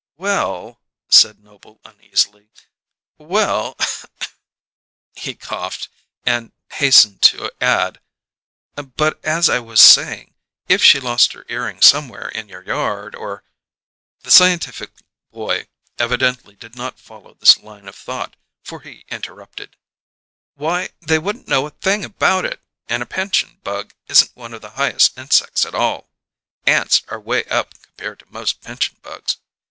"Well " said Noble uneasily. "Well " He coughed, and hastened to add: "But as I was saying, if she lost her earring somewhere in your yard, or " The scientific boy evidently did not follow this line of thought, for he interrupted: "Why, they wouldn't know a thing about it, and a pinchin' bug isn't one of the highest insecks at all. Ants are way up compared to most pinchin' bugs.